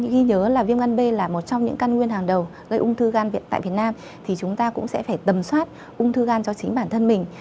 ghi nhớ là viêm gan b là một trong những căn nguyên hàng đầu gây ung thư gan tại việt nam thì chúng ta cũng sẽ phải tầm soát ung thư gan cho chính bản thân mình